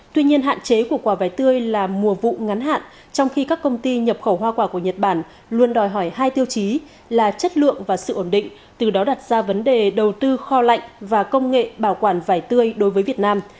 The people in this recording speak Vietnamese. tuy nhiên hạn chế của quả vải tươi là mùa vụ ngắn hạn trong khi các công ty nhập khẩu hoa quả của nhật bản luôn đòi hỏi hai tiêu chí là chất lượng và sự ổn định từ đó đặt ra vấn đề đầu tư kho lạnh và công nghệ bảo quản vải tươi đối với việt nam